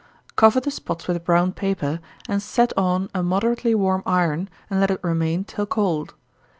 Cover the spots with brown paper, and set on a moderately warm iron, and let it remain till cold.